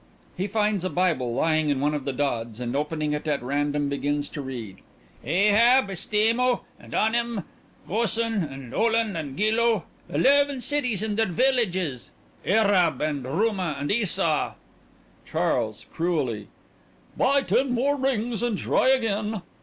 (He finds a Bible lying in one of the dods and opening it at random begins to read.) "Ahab and Istemo and Anim, Goson and Olon and Gilo, eleven cities and their villages. Arab, and Ruma, and Esaau " CHARLES: (Cruelly) Buy ten more rings and try again.